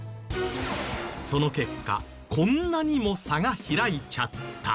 その結果こんなにも差が開いちゃった。